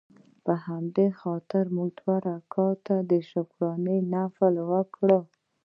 په همدې خاطر مې دوه رکعته شکريه نفل وکړ.